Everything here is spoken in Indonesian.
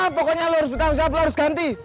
pokoknya lo harus betul lo harus ganti